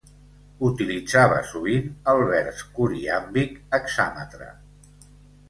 Utilitzava sovint el vers coriàmbic hexàmetre.